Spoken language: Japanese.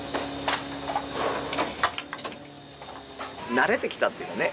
慣れてきたっていうかね